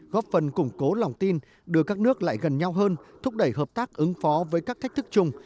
góp phần củng cố lòng tin đưa các nước lại gần nhau hơn thúc đẩy hợp tác ứng phó với các thách thức chung